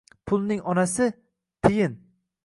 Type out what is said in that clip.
Pulning onasi - tiyin.